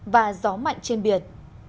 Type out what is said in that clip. và gió mạnh trên biển